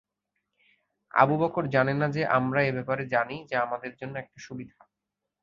Abu Bakr জানে না যে আমরা এব্যাপারে জানি যা আমাদের জন্য একটা সুবিধা।